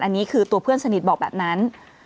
อันนี้คือตัวเพื่อนสนิทบอกแบบนั้น